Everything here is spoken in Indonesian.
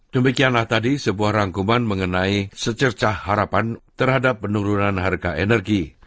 demikianlah tadi sebuah rangkuman mengenai secercah harapan terhadap penurunan harga energi